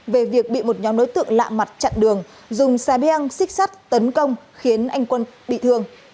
về việc bị một nhóm đối tượng lạ mặt chặn đường dùng xe beang xích sắt tấn công khiến anh quân bị thương